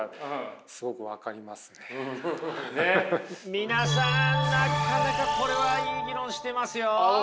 皆さんなかなかこれはいい議論してますよ。